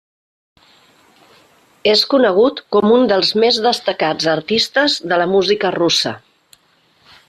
És conegut com un dels més destacats artistes de la música russa.